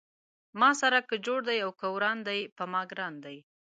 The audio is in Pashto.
ما سره که جوړ دی او که وران دی پۀ ما ګران دی